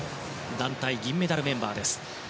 団体銀メダルメンバーです。